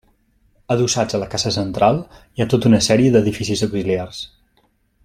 Adossats a la casa central, hi ha tota una sèrie d'edificis auxiliars.